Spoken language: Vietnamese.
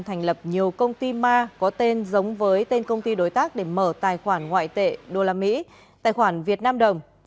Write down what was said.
thành lập nhiều công ty ma có tên giống với tên công ty đối tác để mở tài khoản ngoại tệ usd tài khoản việt nam đồng